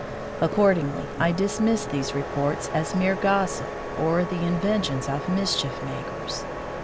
Accordingly, I dismissed these reports as mere gossip or the inventions of mischief makers.